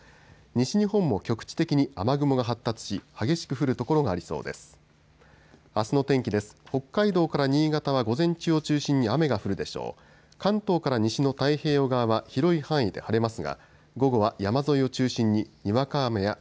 西日本も局地的に雨雲が発達し激しく降る所がありそうです。